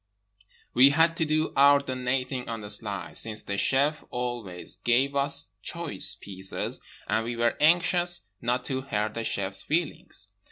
We had to do our donating on the sly, since the chef always gave us choice pieces and we were anxious not to hurt the chef's feelings.